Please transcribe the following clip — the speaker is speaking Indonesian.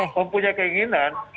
yang mempunyai keinginan